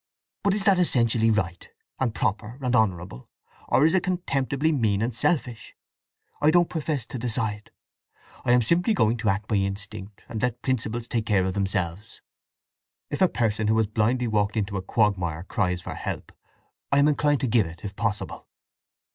But is that essentially right, and proper, and honourable, or is it contemptibly mean and selfish? I don't profess to decide. I simply am going to act by instinct, and let principles take care of themselves. If a person who has blindly walked into a quagmire cries for help, I am inclined to give it, if possible."